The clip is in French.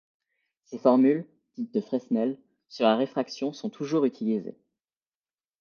Ses formules, dites de Fresnel, sur la réfraction sont toujours utilisées.